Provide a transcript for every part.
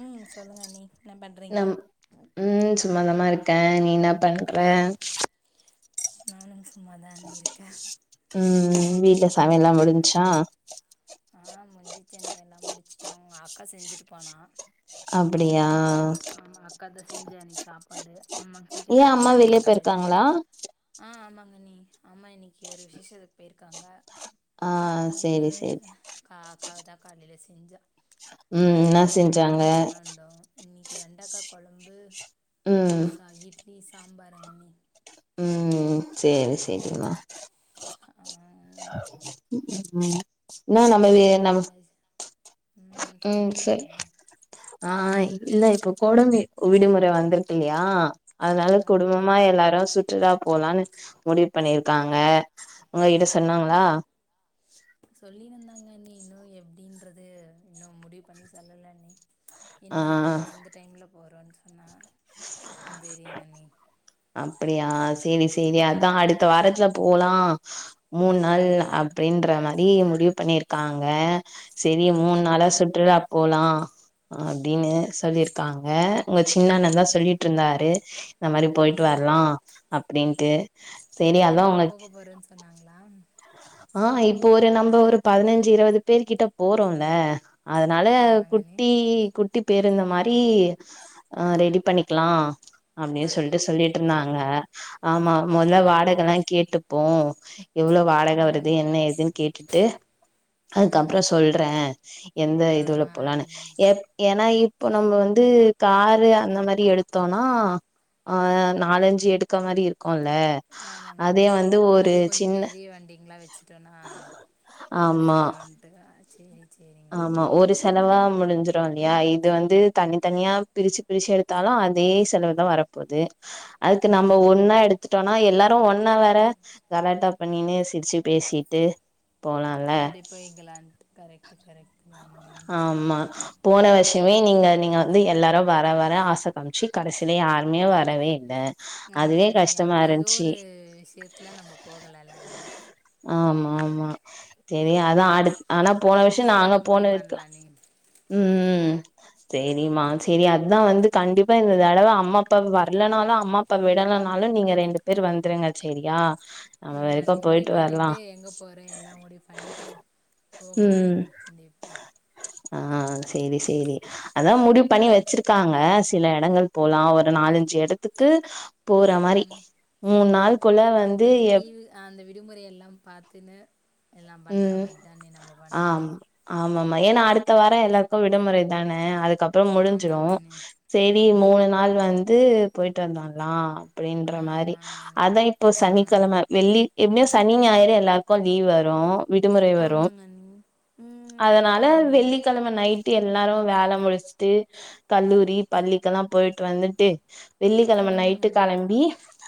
ம் சொல்லுங்க நீங்க என்ன பண்றீங்க க நீ இன்னாப் பண்ற நானும் ஸ் சும்மா தாண்டி இருக்க ம் ம் வீட்ல சு சமையல்லா முடிஞ்ச்சா ச்சன்னையெல்லா முடிச்சுட்டாங்க அக்கா செஞ்சுட்டு போனா அப்டியா கதா செஞ்சா இன்னைக்கு சாப்பாடு ஆமாங்க சீக்கிரொ ஏ அம்மா கெளம்பிட்டாங்க வெளிய காலைல போயிருக்காங்களா ஆ ஆமாங்க ன்னி அம்மா இன்னைக்கு ஒரு விசேஷத்துக்கு போயிருக்காங்க ஆ சேரி அதனால தா சேரி கா கா தா காலைல செஞ்சா ம் இன்னா செஞ்சாங்க இன்னக்கி வெண்டக்கா கொழம்பு ம் சா இட்லி சாம்பாருங்கன்னி ம் சேரி சேரிம்மா ஆ அண்ணி ம் நா நம்ம வே குடும்பத்தோட நம எங்கயாச்சு ம் சொல்லுங்க சொல்லுங்க சரி அண்ணி ஆ இ இல்ல இப்ப கோடமே விடுமுற வந்திருக்கில்லியா அத்னால ஆமாங்க அண்ணி குடும்பமா எல்லாரு சு ற்றுலா போலான்னு முடிவு பண்ணிருக்காங்க உங்க கிட்ட சொன்னாங்ளா? சொல்லிருந்தாங்க அண்ணி இன்னு எப்டின்றது இன்னும் முடிவு பண்ணி சொல்லல அண்ணி என்னக்கி ஆ போறோ எந்த டைம்ல போறோன் சொன்னா வந் தெரியுங்கண்ணி அப்புடியா சேரி சேரி அதா அடுத்த வாரத்ல போலா மூண் நாள் அப்டின்ற மாரி முடிவு பண்ணிருக்காங்க சேரி ஆங்க மூண் அண்ணி நாளா சுற்றுலா போலா அப்டின்னு சொல்லிருக்காங்க சின்னண்ணந்தா சொல்லிட்ருந்தாரு இந்த மாரி போயி ட்டு ம் வர்லா அப்டின்ட்டு செரி எந்த அதா வண்டில உங்க போக போறன் சொன்னாங்ளா ஆ இப்போ ஒரு நம்ப ஒரு பதுனஞ்சு இருவது பேர் கிட்ட போறோல்ல அதனால ஆமாங்க அண்ணி குட்டி குட் டி பேருந்து மாரி ஆ ரெடி பண்ணிக்லா அப்டி சொல்ட்டு அப்டின் சொல்லிட்ருந்தாங்க சொல்லிருக்காங்களா ஆமா மொத ஆங்க அண்ணி வாடகல்லா கேட்டு ப்போ வடக வருது ம் என்ன ஏதுன் கேட்டுட்டு ஆ அதுக்கப்ற சொல்றே அ எந்த ஆ இதுவ்ல போலானு அண்ணி எ ஏனா இ ப்போ நம்ப வந்து காரு அந்த மாரி எடுத்தோன்னா ஆ நாலஞ்சு எடுக்க மாரி இருக் குல்ல ஆமாங்க அதே வந்து ஒரு சின்ன ங்ளா வச்சுட்டோன்னா ஆமா முடுஞ்சுருன்ட்டு அ சேரி சே ஆமா ஒரு செலவா முடுஞ்சுருல்லயா இது வந்து தனி தனியா பிரிச்சு பிரிச்சு எடுத்தாலு அதே செலவுதா வரப்போது அதுக்கு நம்ப ஆமாங்க ஒன்னா அண்ணி எடுத்துட்டோன்னா எல்லா [unintelligible] ஒன்னவர கலாட்டா பண்ணினு சிரிச்சு பேசிட்டு போலால அப்டி போய்கலான்ட்டு கரெக்ட் டு கரெக்ட்டு தான் அண்ணி ஆமா போன வர்ஷமே நீங்க நீங்க வந்து எல்லாரு வர வர ஆச காமிச்சு கடசில யாருமே வரவே இல்ல அதுவே ஆமாங்கண்ணி கஷ்டமா அப்ப எதோ இருந்துச்சு ஒரு விஷ்யத்துல நம்ம போகலல அண்ணி ஆமா தெரியு அதா அடு ஆனா போன வருஷ இந்த நாங்க தடவ போன முடிவு பண்லா அண்ணி ம் சேரிம்மா சேரி அதுதா வந்து கண்டிப்பா இந்த தடவ அம்மாப்பா வர்லனாலு அம்மாப்பா விடலன்னாலு நீங்க ரெண்டு பேர் வந்துருங்க சேரியா நம்ம ம் வரைக்கு அண்ணி முடிவு போயிட்டு வரலா பண்ணிட்டு எங்க போற எல்லா முடிவு பண்ணிட்டு போகலா ம் அண்ணி கண்டிப்பா ஆ சேரி சேரி அதா முடிவ் பண்ணி வச்சிருக்காங்க சில எடங்கள் போலா ஒரு நாலஞ்சு எடத்துக்கு போற மாரி ம் மூண் நாள்குள்ள வந்து நம்பள்க்கு எப் லீவு அ அந்த விடுமுறயெல்லாம் பாத்துன்னு எல்லாம் பண்ற ம் மார்தாண்ணி நம்ப பண்ணணு ஆம் ஆமாமா ஏன்னா அடுத்த வார எல்லாருக்கு விடுமுறை தான அதுக் கப்றம் முடுஞ்சுரு ஆமாங்க அண்ணி சேரி ம் மூணு நாள் வந் து போயிட்டு வந்தால்லா அப்டின்ற மாரி ஆமாங்க அண்ணி அதா இப்பொ ஆமாங்க சனிக்கெழம அண்ணி வெள்ளி எப்டியு சனிஞாயிறு எல்லாருக்கு லீவ் வ ரூ விடுமுறை வரு ஆமாங்க அண்ணி ம் அதனால ஆமாங்க அண்ணி வெள்ளிக்கெழம நைட் டு எல்லாரு வேல முடுச்ட்டு கல்லூரி பள்ளிக்கெல்லா போயிட்டு வந்துட்டு வெள்ளிக்கெழம ம் நைட்டு அண்ணி கெளம்பி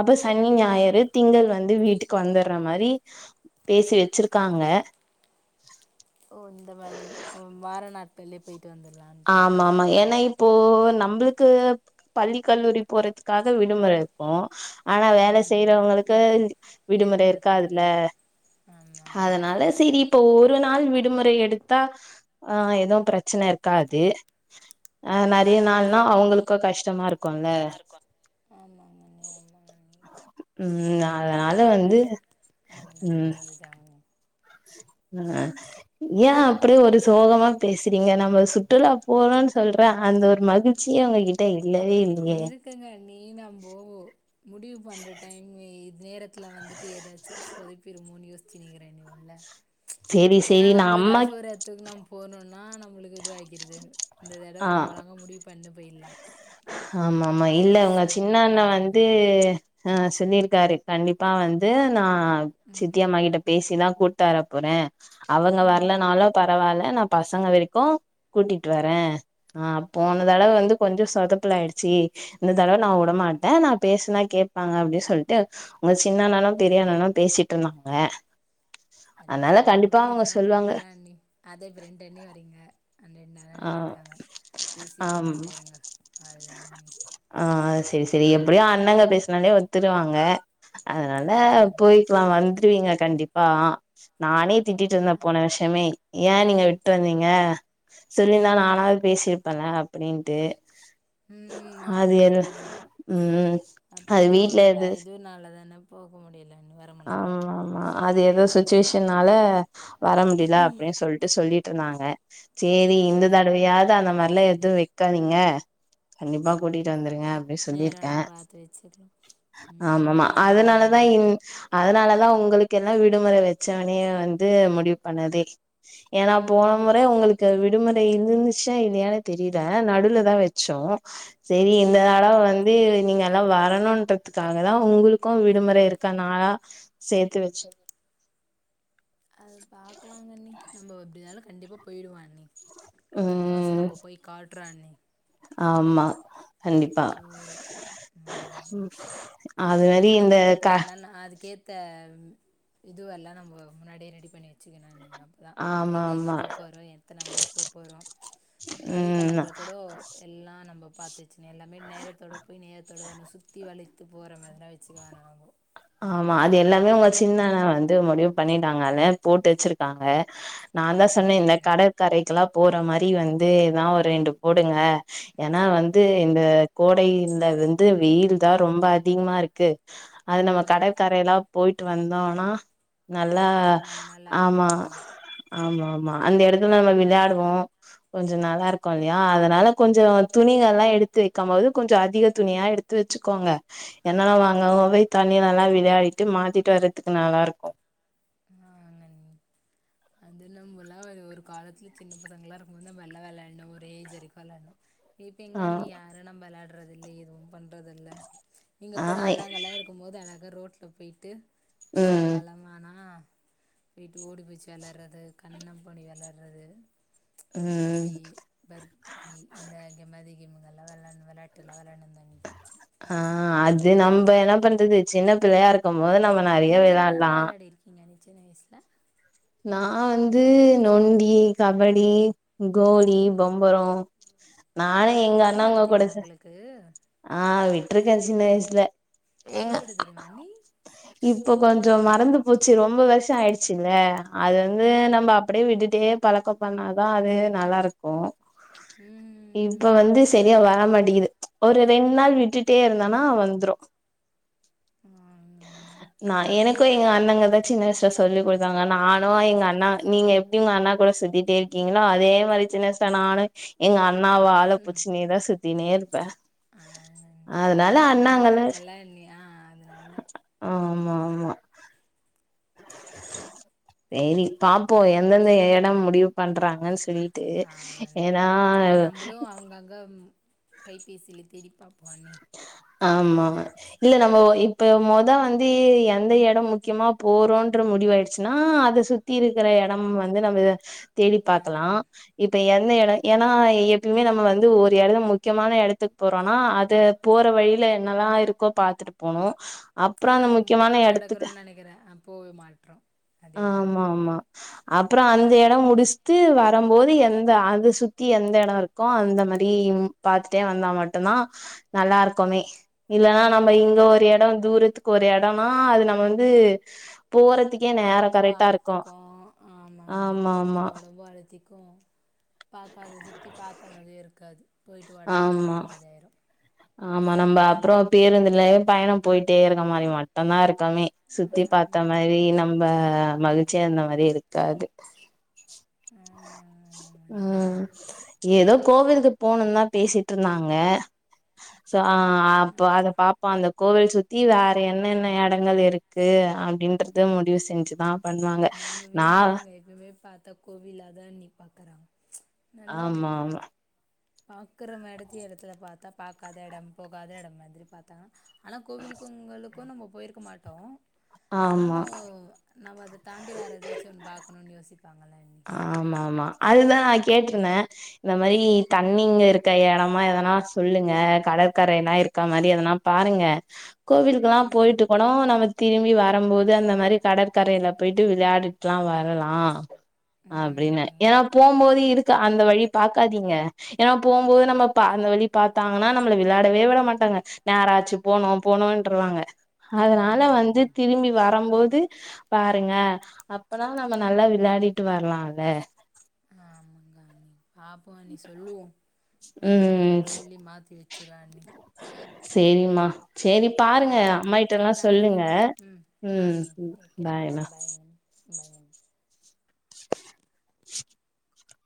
அப்ப சனி ஆ ஞாயிறு திங்கள் வந்து வீட் டுக்கு வந்தர்ற மாரி பேசி வ ச்சிருக்காங்க ஓ இந்த மார் வாரநாட் கள்ளே பொயி ஆமா ஆமா ஏன்னா இப்போ நம்ளுக்கு பள்ளி கல்லூரி போறதுக்காக விடுமுற இருக்கு ஆனா வேல ஆமாங்க அண்ணி செய்றவுங்களுக்கு வே விடுமுற எதுவுமே இருக்காது இருக்காதுல்ல ஆமா ஆமா அதனால சேரி இ ப்போ ஒரு நாள் விடுமுறை எடுத்தா ஆ எதுவும் பிரச்சன இருக் காது அ நெறைய நாள்னா அவுங்களுக் கு கஷ்டமாருக் குல்ல ஆமாங்க அண்ணி ஆமாங்க அண்ணி ம் அதனால பாப்போங்க வந்து அண்ணி அதுனா ம் அதுதாங்க அண்ணி ஆ ஏன் அப்டியே ஒரு சோகமா பேசுறீங்க நம்ம சுற்றுலா போறோம்ன்னு சொல்றேன் அந்த ஒரு மகிழ்ச்சியே உங்ககிட்ட இல் இருக்குங்க நீ நம் போ முடிவு பண்ணுற டைமு இ நேரத்துல வந்து ட்டு ஏதாச்சி சொதப்பீரு மோனு யோ சினிரெனி உள்ள சேரி ஏன்னா சேரி நா நம் ஒரு அம்மா அசுரத்து நம் போணுன் ஆ நம்முளுக்கிது ஆக்கிருது இந்த தடவ ஆ நம் வழங்க முடிவு பண்ணு பேய்ல்லா ஆமாம்மா இல்ல உங்க சின்ன அண்ண பிளான்ங்க வந்து தான ஆ சுனீல்காரு கண்டிப்பா வந்து நா சித்தியம்மாகிட்ட பேசிதா கூட்டர போறே அவங்க ம் வரலனாலு பரவால்ல நா பசங் வரைக்கு கூட்டிட்டு வரே அ போன தடவ வந்து கொஞ்ச சொத ப்லாயிடுச்சு இந்த தடவ நா உடமாட்டே நா பேசனா கேட்பாங்க அப்டி சொல்ட்டு உ சின்ன அண்ணனு பெரிய அண்ணனு பேசிட்டுருந்தாங்க ரெண்டு அண்ணங்களு பேஸ்னா போய்லா அண்ணி அதா இப்ப ரெண்டுண்ணி வரீங்க அந்த ரெண்டு ஆ அண்ணனுங்க இருக்காங்க பேசி ஆம் கூட்டுனு போயிருங்க அவ்ளோதாங்க அண்ணி ஆ அ சரி சரி எப்டியு அண்ணங்க பேச் மெல்லே ஒத்துருவாங்க அதனால ஆமாங்க அண்ணி போய்க்லா வந்து ட்டுவிங்க கண்டிப்பா நானே திட்டிட்டு இருந்தே போகலா போன வர்ஷமே ஏ நீங்க விட்டு வந்தீங்க சொல்லிந்தா நானாவது பேசியிருப்பல அப்டின்ட்டு ம் அது ஆமாங்க எந் அண்ணி ம் அப்போ அது ஏதோ ஒரு வீட்லந்து இதுனால தான போக முடியல அண்ணி வர முடில ஆம்மாம்மா அது ஏதோ சுச்சுவேஷன்னால வர முடியல அப்டின் சொல்டு சொல்லிட்ருந்தாங்க சேரி ஆமாங்க இந்ததடவையாது அந்த மாரில எ து வைக்காதீங்க கண்டிப்பா கூட்டிட்டு வந்து ங்க அப்டி சொல்லிருக்கே நேரல்லா பாத்து வச்சுக்கலா ம் ஆமமா போலாங்க அதனாலதா அண்ணி இன் அதனாலதான் உங்களுக்கு எல்லாம் விடுமுறை வச்சவனே வந்து முடிவு பண்ணதே ஏன்னா போன முறை உங்களுக்கு விடுமுறை இருந்துச்சா இல்லையானனு தெரியல நடுவுல தான் வச்சோம் செரி இந்த ஆமாங்க தடவை அண்ணி வந்து நீங்க எல்லாம் வ வரணுன்றதுக்காக தான் உங்களுக்கும் விடுமுறை இருக்கநாளா சேத் வெ அது பாக்கலாங்கண்ணி நம்ம எப்படினாலும் கண்டிப்பா போயிடுவோம் அண்ணி இந்த வருசம் ம் நம்ம போய் காட்டு அண்ணி ஆமா கண்டிப்பா போகிறோம் ம் உம் அது மாதிரி இந்த அதுக்கேற்ற கா பிளான்லாம் நான் அதுக்கேற்ற இதுவெல்லாம் நம்ம முன்னாடியே ரெடி பண்ணி வெச்சிக்கினாங்க அப்பதான் ஆமா எங்க எங்க ஆமா போ போகறோம் எத்தனை மணிக்கு போக போகறோம் ம் வழிதலங்கள் கூட எல்லாம் நம்ம பார்த்து பிரச்ச எல்லாமே நேரத்தோட போய் நேரத்தோட வரணும் சுத்தி வி போற மாதிரி வச்சு பஸ்சுக்கு வான போ ஆமா அது எல்லாமே உங்க சின்ன அண்ணன் வந்து முடிவு பண்ணிட்டாங்கல்ல போட்டு வச்சிருக்காங்க நான் தான் சொன்னேன் இந்த கடற்கரைக்கெல்லாம் போற மாதிரி வந்துதான் ஒரு ரெண்டு போடுங்க ஏன்னா வந்து இந்த கோடைல வந்து வெயில் தான் ரொம்ப அதிகமா இருக்கு அது நம்ம கடற்கரைய எல்லாம் போயிட்டு வந்தோம் ஆனா நல்லா கொஞ்சம் ஆமா நல்லாயிருக்கும் ஆமா ஆமா அந்த இடத்துல நம்ம விளையாடுவோம் கொஞ்சம் நல்லா இருக்கும்லையா அதனால கொஞ்சம் துணிகள் எல்லாம் எடுத்து வைக்கும் போது கொஞ்சம் அதிக துணியா எடுத்து வச்சுக்கோங்க என்னெல்லாம் வாங்க பண்ணி நல்லா விளையாடிட்டு மாத்திட்டு வர்றதுக்கு நல்லா இருக்கும் ஆஹங்க அது நம்மல்லாம் ஒரு காலத்துல சின்ன பசங்களல்லாம் இருக்கும் போது நம்மளல்லாம் விளையாடணும் ஒரு ஏஜ் வரைக்கும் விளையாண்டோம் எல்லாரும் இப்ப ஆ எங்க அண்ணி யாரு நம்மலாட பண்றது இல்ல எதுவும் பண்றதுல்ல நீங்க ஆ கூட அண்ணாங்கல்லாம் இருக்கும் போது எனக்கு ஒரு ரோட்ல போயிட்டு ம் சாயங்காலம் ஆனா வீட்டு ஓடி புடுச்சு விளையாடுறது கண்ண பண்ணி விளாடுறது ம் நொண்டி பர்க்கி இந்தந்த மாதிரி ல்லாம் விளா விளையாட்டுலாம் விளா ஆஹ் அது நம்ம என்ன பண்றது சின்ன பிள்ளையா இருக்க மோது நம்ம நெறைய நீங்க வெளையாட்லா என்னெல்லாம் விளையாடி இருக்கீங்க நீ சின்ன வயஸ்ல நா வந்து நொண்டி கபடி கோலி பம்பரொ நானே எங்க பம்பரம் ஆட அண்ணாங்க கூட தெரியுமா ச உங்களுக்கு ஆ விட்ருக்கே சின்ன வயசுல இப்ப விட தெரியுமா அண்ணி இப்போ கொஞ்சொ மறந்து போச்சு ரொம்ப வருஷோ ஆயிடுச்சுல்ல அது வந்து நம்ப அப்டே விட்டுட்டே பழக்கொ பண்ணாதா அது நல்லாருக்கும் இப்ப ம் வந்து சரியா வர ர மாட்டீங்குது ஒரு ரெண்டு நாள் விட்டுட்டே இருந்தோனா வந்துரும் ஆங்கண்ணி நா எனக் க்கு எங்க அண்ணங்கதா சின்ன வயசுல சொல்லி் குடுத்தாங்க நானு எங்க அண்ணா நீங்க எப்டி உங்க அண்ணா கூட சுத்திட்டே இருக்கீங்களோ அதே மாரி சின்ன வயசுல நானு எங்க அண்ணாவ வால புச்சின்னேதா சுத் த்தினே இருப்பே ஆங்கண்ணி அதனால அல்லோ நல்லா அண்ணாங்கள இருக்குல்ல அண்ணி ஆ அதனால ஆ ஆமா ஆமா சேரி பாப்போ எந்தெந்த எடொ முடிவு பண்றாங்கன்னு சொல்லி த்து ஆங்கண்ணி ஏன்னா கைபேசில தேடி பாப்போ அண் ஆமா இல்ல நம்ப வந் இப்போ மொத வந் ந்து எந்த எடோ முக்கியமா போறோன்ற முடிவாயிடுச்சுன்னா அத சுத்தி இருக்குற எடமு வந்து நம்ப தேடி ஆ பாக்கலா இப்ப எந் ந்த எடோ ஏன்னா எப்பயுமே நம்ம வந்து ஒரு எடோ முக்யமான எடத்துக்கு போறோன்னா அது போற வழில என்னல்லா இருக்கோ பாத்துட்டு போனு அப்றோ ஆனா அந்த நம்ம முக்கியமான போற எடத்துக்கு எடக்கறோன்னு நெனைக்கிறே ஆனா போவே மாட்றோ அதேதா அண்ணி அப்றொ அந்த எடோ முடிஷ்ட்டு வரும்போது எந்த அது சுத்தி எந்த எடோ இருக்கோ அந்த மாரி பாத்துட்டே வந்தா மட்டுந்தா நல்லா இருக்குமே இல்லன்னா நம்ப ஆ இங்க ஒரு எடோ தூரத்து ஒரு எடோன்னா அது நம்ம வந்து போறதுக்கே நேரோ ஒடம்பும் கரெக்டா இருக்கு அலத்திக்கு ஆமாங்க அண்ணி ஆமா இப்ப ஆமா ஒடம்பும் அலத்திக் கு பாக்காத சுத்தி பாத்த மாரியு இருக்கும் க்காது போயிட்டு ஒடனே ஆமா கெளம்பன மாரி ஆயிரும் ஆமா நம்ப அப்றொ பேருந்துலயே பயணோ போயிட்டே இருக்க மாரி மட்டுந்தா இருக்குமே சுத்தி பாத்த ஆமாங்க மாரி அண்ணி நம்ப மகிழ்ச்சியா இருந்த மாரி இருக்காது ஆமாங்க ம் ஆமாங்க ஏதோ கோவில்கு போணுன்தா பேசிட்ருந்தாங்க ச ஆ அப்ப அத பாப்பொ அந்த கோவில் சுத்தி வேற என்னென்ன எடங்கள் இருக்கு அப்டின்றது முடிவு செஞ்சுதா பண்ணுவாங்க நம்ப நா வீட்டாளுங்க எப்பய்மே பாத்தா கோவிலாதா அண்ணி பாக்குறாங்க ஆமா ஆமா பாக்குறமேடத்தயே எடத்துல பாத்தா பாக்காத எடம் போகாத எடம் மாதிரி பாத்தாங்கனா ஆனா கோவில்க்கு உங்களுக் கு நம்ப போயிருக்க மாட்டோ ஆமா ஆனாலு நவ்வாது தாண்டி வேறதாச்சு ஒன்னு பாக்கணுன் யோசிப்பாங்கல ஆமா ஆமா அதுதா நா கேட்ருந்தே இந்த மாரி தண்ணிங்க இருக்க எடமா எதனா சொல்லுங்க கடற்கரைலா இருக்க மாரி எதனா பாருங்க கோவிலுக்கலா ம் போயிட்டு கூட நம்ம திரும்பி வரம்போது அந்த மாரி கடற்கரைல போயிட்டு விளையாடிட்லா வரலா ம் அப்டின்னு அண்ணி எனா போம்போது இருக் க அந்த வழி பாக்காதீங்க எனா போம்போது நம்ம ப அந்த வழி பாத்தாங்கனா நம்மள விளாடவே விட மாட்டாங்க நேராச்சு போனு போனுன்ருவாங்க அதனால ஆமாங்க வந்து அண்ணி திரும்பி வரம்போ து பாருங்க அப்பதா நம்ம நல்லா விளாடி ட்டு வர்லா அத ஆமாங்க அண்ணி பாப்போ அண்ணி சொல்லுவோ நம்ப ம் எப்டினாலு சொல்லி மாத்தி வச்சிற அண்ணி சேரிம்மா சேரி பாருங்க சேரிங்க அண்ணி சேரி அம்மாகிட்டலா பாருங்க சொல்லுங்க அண்ணி ம் ஆ ம் அண்ணி வைக்கிறேங்க அண்ணி பாய்மா பாய்ங்க அண்ணி பாய்ங்க அண்ணி